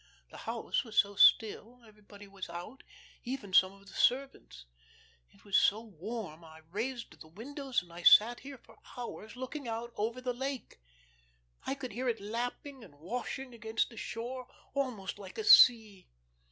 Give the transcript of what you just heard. The house was so still, everybody was out even some of the servants. It was so warm, I raised the windows and I sat here for hours looking out over the lake. I could hear it lapping and washing against the shore almost like a sea.